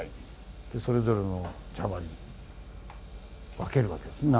でそれぞれの茶葉に分けるわけですね。